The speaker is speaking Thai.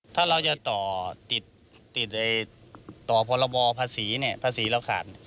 ถ้าเราจะต่อติดต่อพรบภาษีเนี่ยภาษีเราขาด